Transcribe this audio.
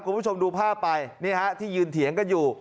คุณผู้ชมดูภาพไปนี่ฮะที่ยืนเถียงกันอยู่